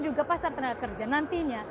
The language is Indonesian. juga pasar tenaga kerja nantinya